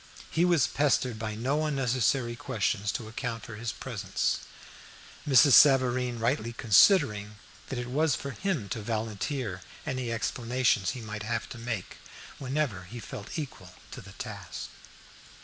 He was pestered by no unnecessary questions to account for his presence, Mrs. Savareen rightly considering that it was for him to volunteer any explanations he might have to make whenever he felt equal to the task.